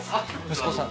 息子さん